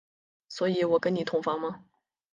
所以我跟你同房吗？